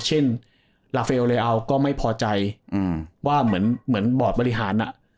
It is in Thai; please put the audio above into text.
เช่นราเฟอร์เลอัลก็ไม่พอใจอืมว่าเหมือนเหมือนบอร์ดบริหารอ่ะ